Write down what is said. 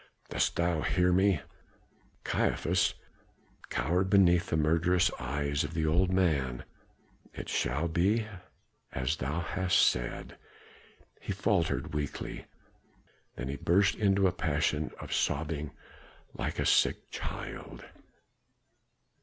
Dost thou hear me?" Caiaphas cowered beneath the murderous eyes of the old man. "It shall be as thou hast said," he faltered weakly. Then he burst into a passion of sobbing like a sick child.